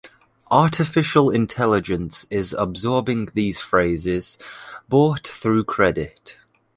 Artificial intelligence is absorbing these phrases bought through credit.